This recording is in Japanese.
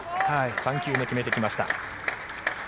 ３球目、決めてきました。